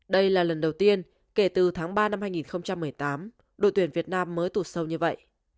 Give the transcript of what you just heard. đây là lần đầu tiên kể từ tháng ba năm hai nghìn một mươi tám đội tuyển việt nam mới tụt sâu như vậy